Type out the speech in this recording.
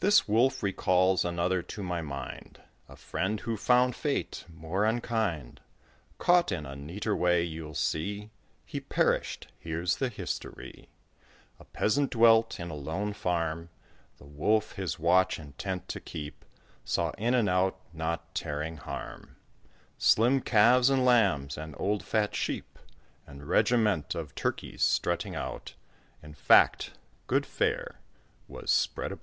This Wolf recalls another to my mind A friend who found Fate more unkind Caught in a neater way, you'll see; He perished here's the history: A peasant dwelt in a lone farm; The Wolf, his watch intent to keep, Saw in and out, not tearing harm, Slim calves and lambs, and old fat sheep, And regiment of turkeys strutting out; In fact, good fare was spread about.